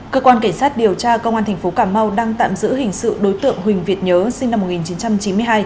cơ quan cảnh sát điều tra công an tp cà mau đang tạm giữ hình sự đối tượng huỳnh việt nhớ sinh năm một nghìn chín trăm chín mươi hai